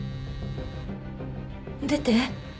出て。